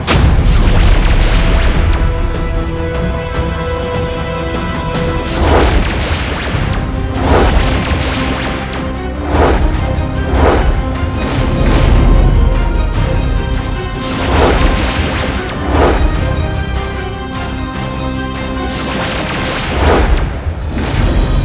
assalamualaikum warahmatullahi wabarakatuh